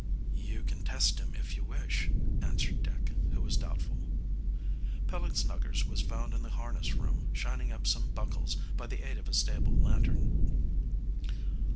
"You can test him if you wish," answered Dick, who was doubtful. Peleg Snuggers was found in the harness room shining up some buckles by the aid of a stable lantern.